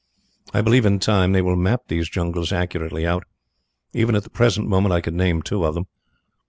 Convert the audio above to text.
I believe in time they will map these jungles accurately out. Even at the present moment I could name two of them.